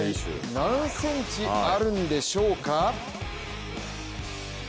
何センチあるんでしょうか。